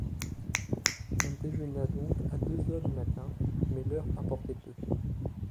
On déjeuna donc à deux heures du matin ; mais l’heure importait peu.